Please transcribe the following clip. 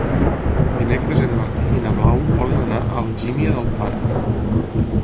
Dimecres en Martí i na Blau volen anar a Algímia d'Alfara.